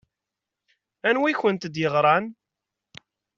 Anwi i kent-d-yeɣṛan?